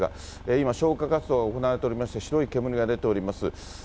今、消火活動が行われておりまして、白い煙が出ております。